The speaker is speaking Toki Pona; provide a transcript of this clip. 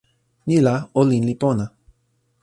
ni la, olin li pona.